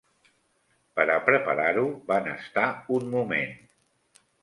Pera preparar-ho van estar un moment.